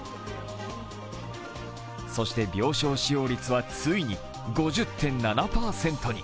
そして病床使用率はついに５０．７％に。